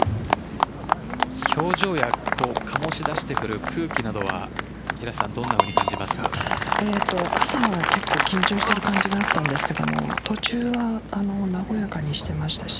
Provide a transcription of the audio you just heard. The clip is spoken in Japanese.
表情やかもし出してくる空気などは朝は結構緊張してる感じがあったんですが途中は和やかにしていましたし